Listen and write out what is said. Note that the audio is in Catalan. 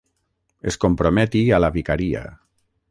Es comprometi a la vicaria.